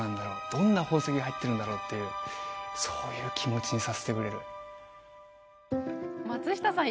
どんな宝石が入ってるんだろう？っていうそういう気持ちにさせてくれる松下さん